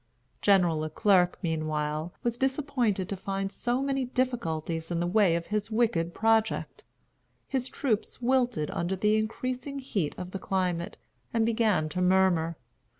General Le Clerc, meanwhile, was disappointed to find so many difficulties in the way of his wicked project. His troops wilted under the increasing heat of the climate, and began to murmur.